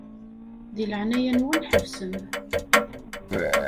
Di leɛnaya-nwen ḥebsem.